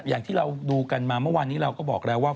อย่างที่เราดูกันมาเมื่อวานนี้เราก็บอกแล้วว่า